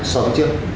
so với trước